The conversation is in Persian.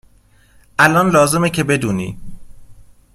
.الان لازمه که بدونی